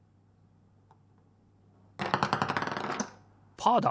パーだ！